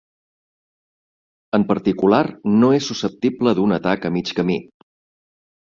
En particular, no és susceptible d'un atac a mig camí.